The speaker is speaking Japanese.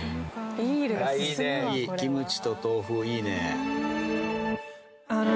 キムチと豆腐いいね。